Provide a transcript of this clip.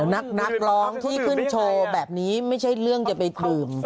นักร้องที่ขึ้นโชว์แบบนี้ไม่ใช่เรื่องจะไปดื่ม